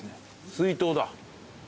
水筒だ。